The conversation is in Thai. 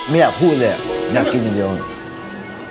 อยากพูดเลยอ่ะอยากกินอย่างเดียว